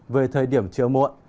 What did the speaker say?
về thời điểm trưa muộn